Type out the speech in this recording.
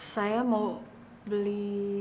saya mau beli